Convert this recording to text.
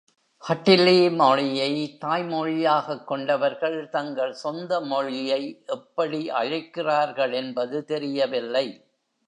“ஹட்டிலி” மொழியை தாய்மொழியாகக் கொண்டவர்கள் தங்கள் சொந்த மொழியை எப்படி அழைக்கிறார்கள் என்பது தெரியவில்லை.